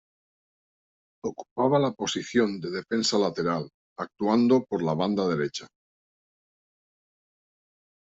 Ocupaba la posición de defensa lateral, actuando por la banda derecha.